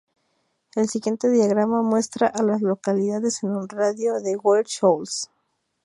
El siguiente diagrama muestra a las localidades en un radio de de Ware Shoals.